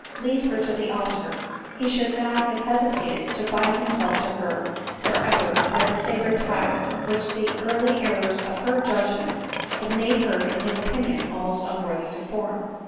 lead her to the altar, he should not have hesitated to bind himself to her for ever by the sacred ties which the ear ly errors of her judgment had made her in his opinion almost unworthy to form.